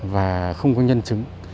và không có nhân chứng